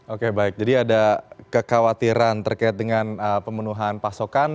oke baik jadi ada kekhawatiran terkait dengan pemenuhan pasokan